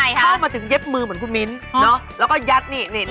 มันควรเข้ามาถึงเย็บมือเหมือนคุณมิ้นเนาะแล้วก็แยะนี่นี่